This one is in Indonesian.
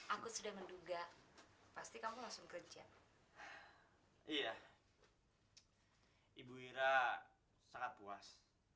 aku sudah menduga pasti kamu langsung kerja iya ibu ira sangat puas